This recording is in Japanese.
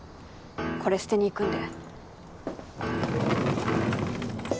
これ捨てに行くんで。